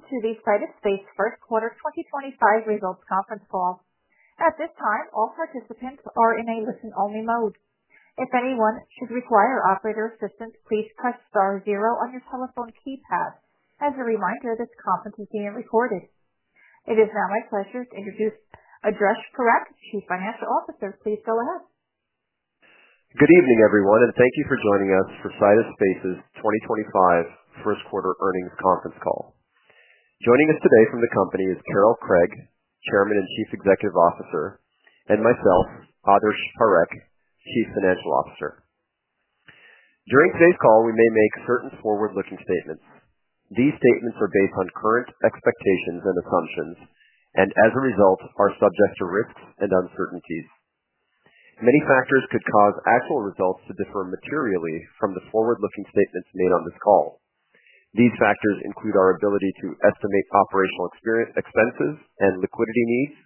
Welcome to the Sidus Space first quarter 2025 results conference call. At this time, all participants are in a listen-only mode. If anyone should require operator assistance, please press star zero on your telephone keypad. As a reminder, this conference is being recorded. It is now my pleasure to introduce Adarsh Parekh, Chief Financial Officer. Please go ahead. Good evening, everyone, and thank you for joining us for Sidus Space's 2025 first quarter earnings conference call. Joining us today from the company is Carol Craig, Chairman and Chief Executive Officer, and myself, Adarsh Parekh, Chief Financial Officer. During today's call, we may make certain forward-looking statements. These statements are based on current expectations and assumptions, and as a result, are subject to risks and uncertainties. Many factors could cause actual results to differ materially from the forward-looking statements made on this call. These factors include our ability to estimate operational expenses and liquidity needs,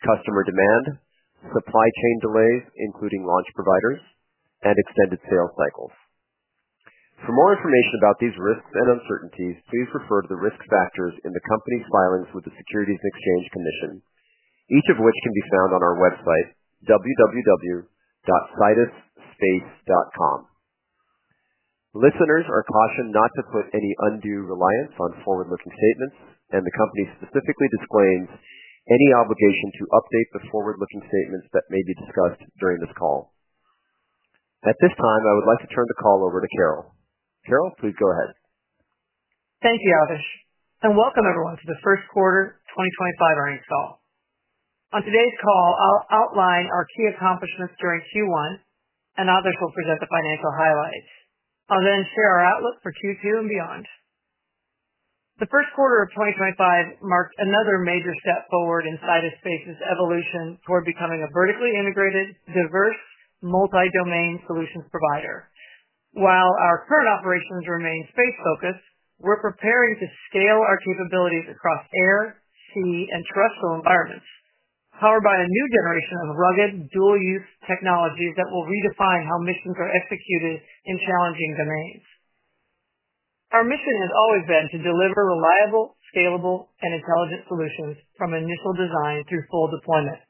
customer demand, supply chain delays, including launch providers, and extended sales cycles. For more information about these risks and uncertainties, please refer to the risk factors in the company's filings with the Securities and Exchange Commission, each of which can be found on our website, www.sidusspace.com. Listeners are cautioned not to put any undue reliance on forward-looking statements, and the company specifically disclaims any obligation to update the forward-looking statements that may be discussed during this call. At this time, I would like to turn the call over to Carol. Carol, please go ahead. Thank you, Adarsh. Welcome, everyone, to the first quarter 2025 earnings call. On today's call, I'll outline our key accomplishments during Q1, and Adarsh will present the financial highlights. I'll then share our outlook for Q2 and beyond. The first quarter of 2025 marked another major step forward in Sidus Space's evolution toward becoming a vertically integrated, diverse, multi-domain solutions provider. While our current operations remain space-focused, we're preparing to scale our capabilities across air, sea, and terrestrial environments, powered by a new generation of rugged, dual-use technologies that will redefine how missions are executed in challenging domains. Our mission has always been to deliver reliable, scalable, and intelligent solutions from initial design through full deployment,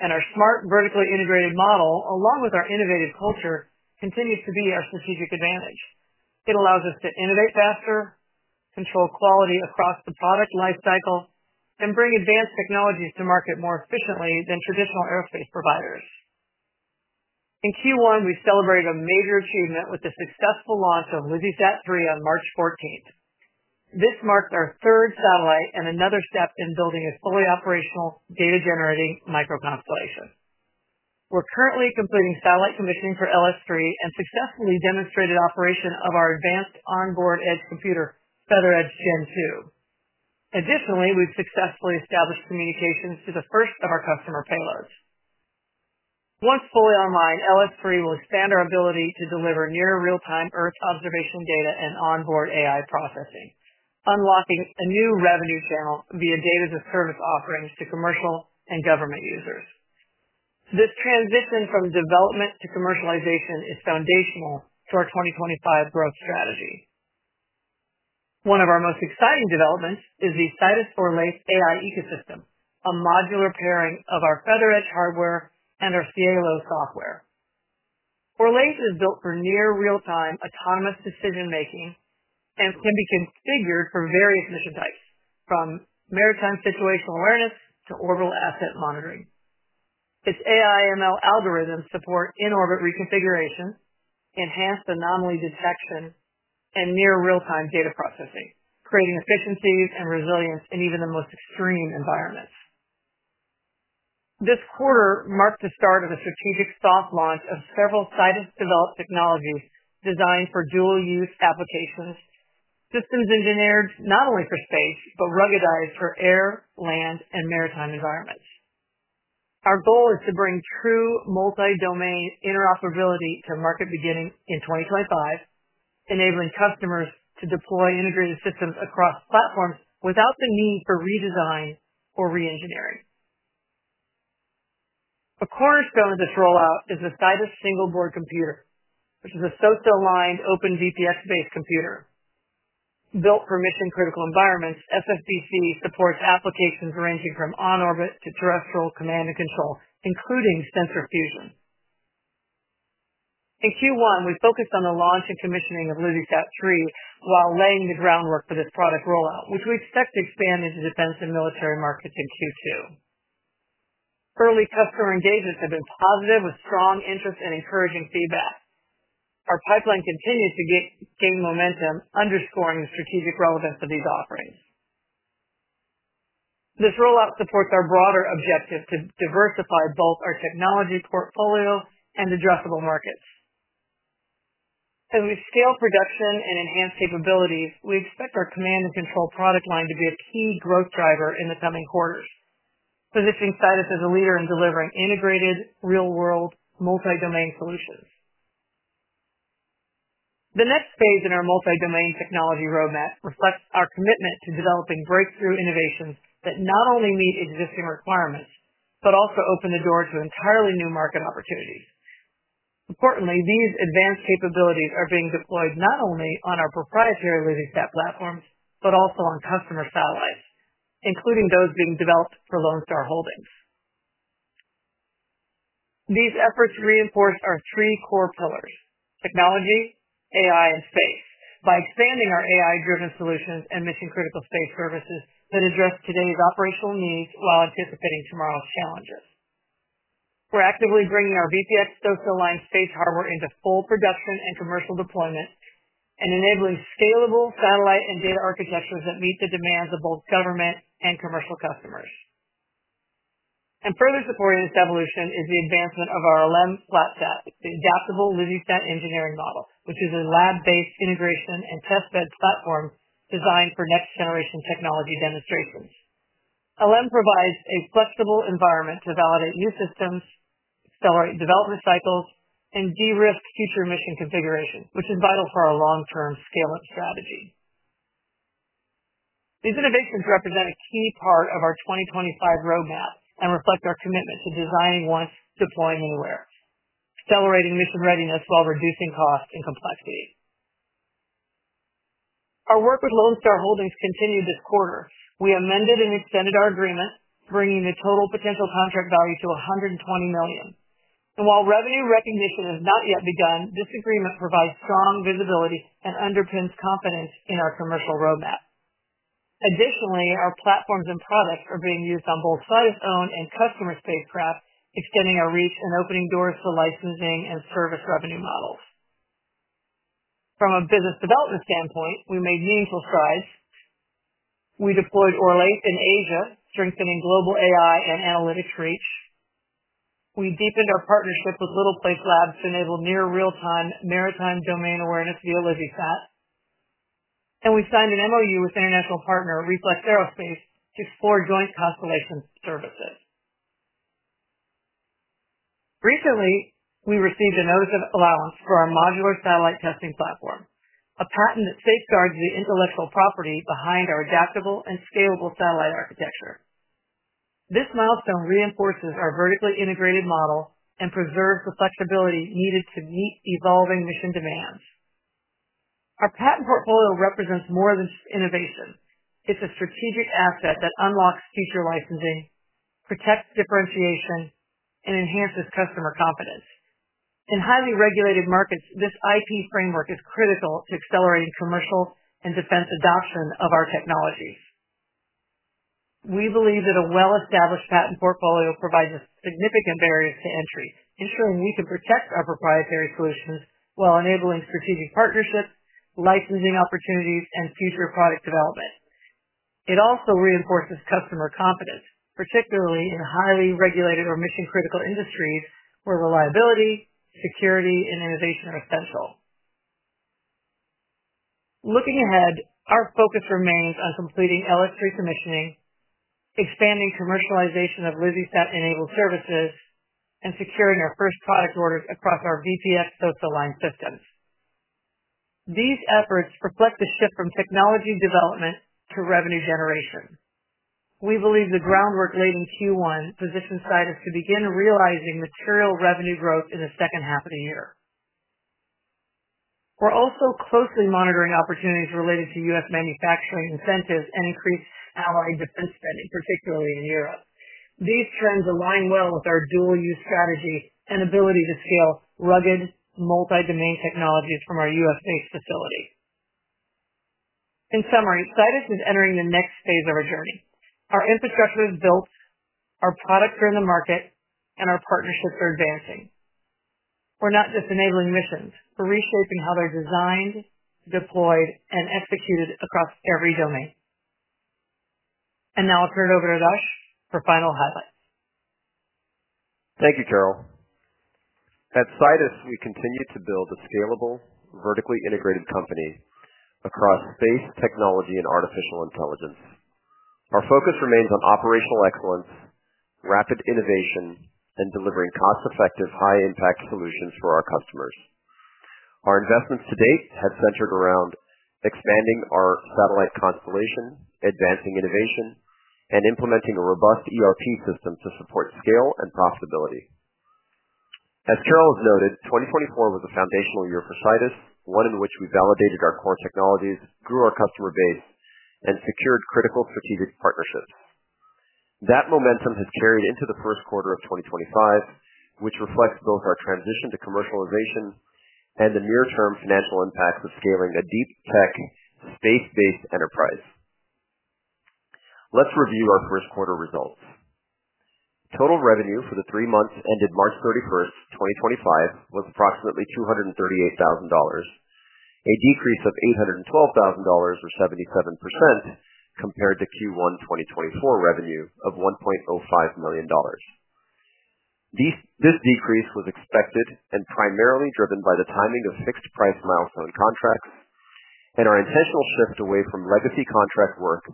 and our smart, vertically integrated model, along with our innovative culture, continues to be our strategic advantage. It allows us to innovate faster, control quality across the product lifecycle, and bring advanced technologies to market more efficiently than traditional aerospace providers. In Q1, we celebrated a major achievement with the successful launch of LizzieSat-3 on March 14th. This marks our third satellite and another step in building a fully operational data-generating microconstellation. We're currently completing satellite commissioning for LS-3 and successfully demonstrated operation of our advanced onboard edge computer, FeatherEdge GEN-2. Additionally, we've successfully established communications to the first of our customer payloads. Once fully online, LS-3 will expand our ability to deliver near-real-time Earth observation data and onboard AI processing, unlocking a new revenue channel via data-as-a-service offerings to commercial and government users. This transition from development to commercialization is foundational to our 2025 growth strategy. One of our most exciting developments is the Sidus Orlaith AI Ecosystem, a modular pairing of our FeatherEdge hardware and our Cielo software. Orlaith is built for near-real-time autonomous decision-making and can be configured for various mission types, from maritime situational awareness to orbital asset monitoring. Its AI/ML algorithms support in-orbit reconfiguration, enhanced anomaly detection, and near-real-time data processing, creating efficiencies and resilience in even the most extreme environments. This quarter marked the start of a strategic soft launch of several Sidus-developed technologies designed for dual-use applications, systems engineered not only for space but ruggedized for air, land, and maritime environments. Our goal is to bring true multi-domain interoperability to market beginning in 2025, enabling customers to deploy integrated systems across platforms without the need for redesign or re-engineering. A cornerstone of this rollout is the Sidus single-board computer, which is a SOSA-aligned open VPX-based computer. Built for mission-critical environments, SFBC supports applications ranging from on-orbit to terrestrial command and control, including sensor fusion. In Q1, we focused on the launch and commissioning of LizzieSat-3 while laying the groundwork for this product rollout, which we expect to expand into defense and military markets in Q2. Early customer engagements have been positive, with strong interest and encouraging feedback. Our pipeline continues to gain momentum, underscoring the strategic relevance of these offerings. This rollout supports our broader objective to diversify both our technology portfolio and addressable markets. As we scale production and enhance capabilities, we expect our command and control product line to be a key growth driver in the coming quarters, positioning Sidus as a leader in delivering integrated, real-world, multi-domain solutions. The next phase in our multi-domain technology roadmap reflects our commitment to developing breakthrough innovations that not only meet existing requirements but also open the door to entirely new market opportunities. Importantly, these advanced capabilities are being deployed not only on our proprietary LizzieSat platforms but also on customer satellites, including those being developed for Lone Star Holdings. These efforts reinforce our three core pillars: technology, AI, and space, by expanding our AI-driven solutions and mission-critical space services that address today's operational needs while anticipating tomorrow's challenges. We are actively bringing our VPX SOSA-aligned space hardware into full production and commercial deployment, and enabling scalable satellite and data architectures that meet the demands of both government and commercial customers. Further supporting this evolution is the advancement of our LM flat set, the adaptable LizzieSat engineering model, which is a lab-based integration and testbed platform designed for next-generation technology demonstrations. LM provides a flexible environment to validate new systems, accelerate development cycles, and de-risk future mission configuration, which is vital for our long-term scale-up strategy. These innovations represent a key part of our 2025 roadmap and reflect our commitment to designing once, deploying anywhere, accelerating mission readiness while reducing cost and complexity. Our work with Lone Star Holdings continued this quarter. We amended and extended our agreement, bringing the total potential contract value to $120 million. While revenue recognition has not yet begun, this agreement provides strong visibility and underpins confidence in our commercial roadmap. Additionally, our platforms and products are being used on both Sidus-owned and customer-spaced craft, extending our reach and opening doors to licensing and service revenue models. From a business development standpoint, we made meaningful strides. We deployed Orlaith in Asia, strengthening global AI and analytics reach. We deepened our partnership with Little Place Labs to enable near-real-time maritime domain awareness via LizzieSat. We signed an MOU with international partner Reflex Aerospace to explore joint constellation services. Recently, we received a notice of allowance for our modular satellite testing platform, a patent that safeguards the intellectual property behind our adaptable and scalable satellite architecture. This milestone reinforces our vertically integrated model and preserves the flexibility needed to meet evolving mission demands. Our patent portfolio represents more than just innovation. It is a strategic asset that unlocks future licensing, protects differentiation, and enhances customer confidence. In highly regulated markets, this IP framework is critical to accelerating commercial and defense adoption of our technologies. We believe that a well-established patent portfolio provides significant barriers to entry, ensuring we can protect our proprietary solutions while enabling strategic partnerships, licensing opportunities, and future product development. It also reinforces customer confidence, particularly in highly regulated or mission-critical industries where reliability, security, and innovation are essential. Looking ahead, our focus remains on completing LS-3 commissioning, expanding commercialization of LizzieSat-enabled services, and securing our first product orders across our VPX SOSA-aligned systems. These efforts reflect the shift from technology development to revenue generation. We believe the groundwork laid in Q1 positions Sidus to begin realizing material revenue growth in the second half of the year. We're also closely monitoring opportunities related to U.S. manufacturing incentives and increased allied defense spending, particularly in Europe. These trends align well with our dual-use strategy and ability to scale rugged, multi-domain technologies from our U.S.-based facility. In summary, Sidus is entering the next phase of our journey. Our infrastructure is built, our products are in the market, and our partnerships are advancing. We're not just enabling missions; we're reshaping how they're designed, deployed, and executed across every domain. Now I'll turn it over to Adarsh for final highlights. Thank you, Carol. At Sidus, we continue to build a scalable, vertically integrated company across space, technology, and artificial intelligence. Our focus remains on operational excellence, rapid innovation, and delivering cost-effective, high-impact solutions for our customers. Our investments to date have centered around expanding our satellite constellation, advancing innovation, and implementing a robust ERP system to support scale and profitability. As Carol has noted, 2024 was a foundational year for Sidus, one in which we validated our core technologies, grew our customer base, and secured critical strategic partnerships. That momentum has carried into the first quarter of 2025, which reflects both our transition to commercialization and the near-term financial impacts of scaling a deep-tech, space-based enterprise. Let's review our first quarter results. Total revenue for the three months ended March 31st, 2025, was approximately $238,000, a decrease of $812,000, or 77%, compared to Q1 2024 revenue of $1.05 million. This decrease was expected and primarily driven by the timing of fixed-price milestone contracts and our intentional shift away from legacy contract work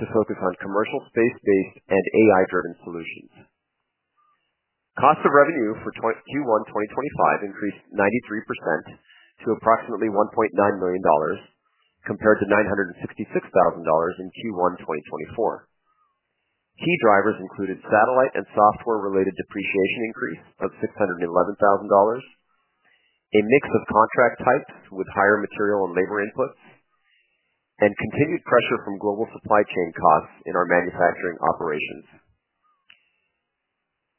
to focus on commercial space-based and AI-driven solutions. Cost of revenue for Q1 2025 increased 93% to approximately $1.9 million, compared to $966,000 in Q1 2024. Key drivers included satellite and software-related depreciation increase of $611,000, a mix of contract types with higher material and labor inputs, and continued pressure from global supply chain costs in our manufacturing operations.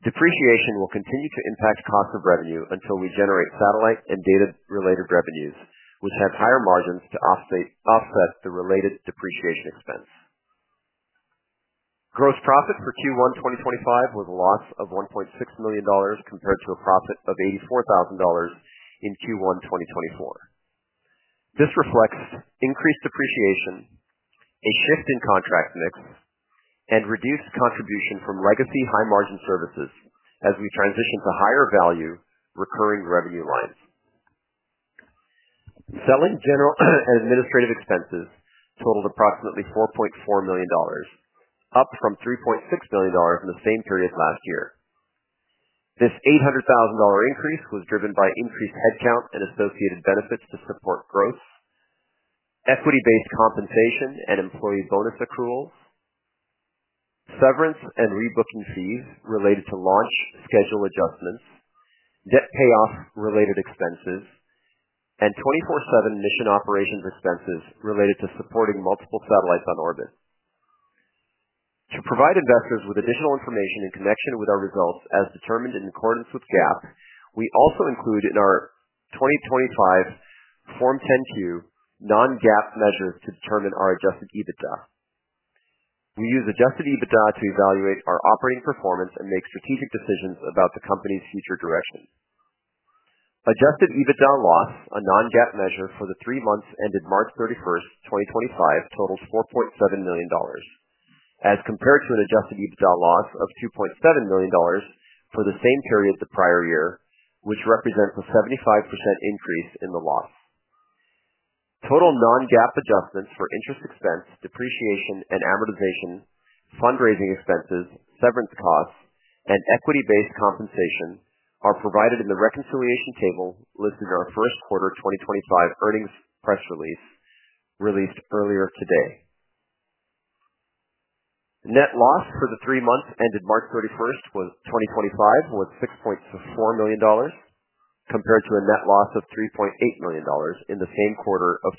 Depreciation will continue to impact cost of revenue until we generate satellite and data-related revenues, which have higher margins to offset the related depreciation expense. Gross profit for Q1 2025 was a loss of $1.6 million, compared to a profit of $84,000 in Q1 2024. This reflects increased depreciation, a shift in contract mix, and reduced contribution from legacy high-margin services as we transition to higher-value recurring revenue lines. Selling, general, and administrative expenses totaled approximately $4.4 million, up from $3.6 million in the same period last year. This $800,000 increase was driven by increased headcount and associated benefits to support growth, equity-based compensation and employee bonus accruals, severance and rebooking fees related to launch schedule adjustments, debt payoff-related expenses, and 24/7 mission operations expenses related to supporting multiple satellites on orbit. To provide investors with additional information in connection with our results as determined in accordance with GAAP, we also include in our 2025 Form 10-Q non-GAAP measures to determine our adjusted EBITDA. We use adjusted EBITDA to evaluate our operating performance and make strategic decisions about the company's future direction. Adjusted EBITDA loss, a non-GAAP measure for the three months ended March 31st, 2025, totaled $4.7 million, as compared to an adjusted EBITDA loss of $2.7 million for the same period the prior year, which represents a 75% increase in the loss. Total non-GAAP adjustments for interest expense, depreciation, and amortization, fundraising expenses, severance costs, and equity-based compensation are provided in the reconciliation table listed in our first quarter 2025 earnings press release released earlier today. Net loss for the three months ended March 31st, 2025, was $6.4 million, compared to a net loss of $3.8 million in the same quarter of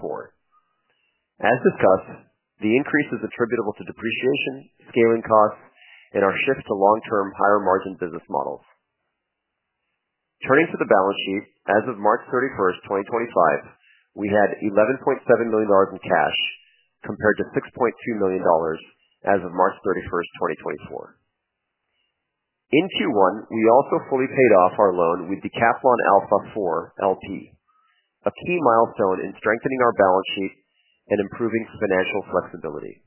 2024. As discussed, the increase is attributable to depreciation, scaling costs, and our shift to long-term higher-margin business models. Turning to the balance sheet, as of March 31st, 2025, we had $11.7 million in cash, compared to $6.2 million as of March 31st, 2024. In Q1, we also fully paid off our loan with Decathlon Alpha IV LP, a key milestone in strengthening our balance sheet and improving financial flexibility.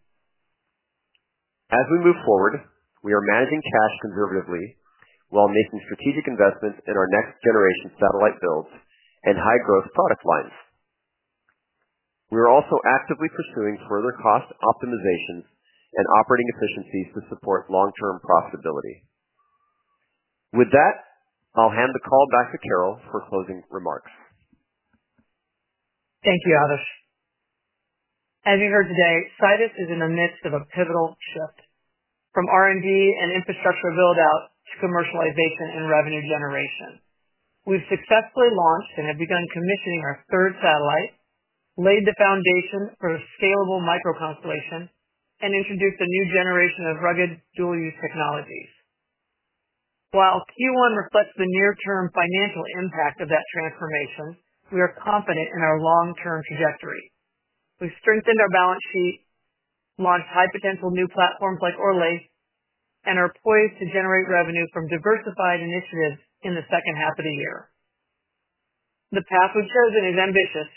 As we move forward, we are managing cash conservatively while making strategic investments in our next-generation satellite builds and high-growth product lines. We are also actively pursuing further cost optimizations and operating efficiencies to support long-term profitability. With that, I'll hand the call back to Carol for closing remarks. Thank you, Adarsh. As you heard today, Sidus is in the midst of a pivotal shift from R&D and infrastructure build-out to commercialization and revenue generation. We've successfully launched and have begun commissioning our third satellite, laid the foundation for a scalable microconstellation, and introduced a new generation of rugged dual-use technologies. While Q1 reflects the near-term financial impact of that transformation, we are confident in our long-term trajectory. We've strengthened our balance sheet, launched high-potential new platforms like Orlaith, and are poised to generate revenue from diversified initiatives in the second half of the year. The path we've chosen is ambitious,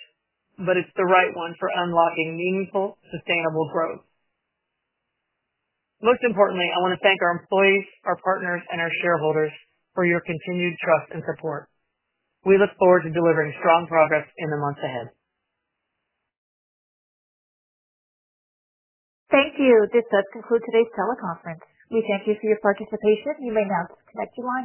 but it's the right one for unlocking meaningful, sustainable growth. Most importantly, I want to thank our employees, our partners, and our shareholders for your continued trust and support. We look forward to delivering strong progress in the months ahead. Thank you. This does conclude today's teleconference. We thank you for your participation. You may now disconnect.